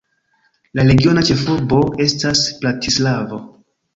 La regiona ĉefurbo estas Bratislavo.